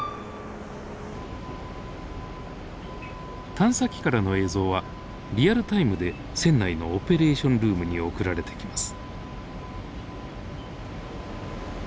探査機からの映像はリアルタイムで船内のオペレーションルームに送られてきます。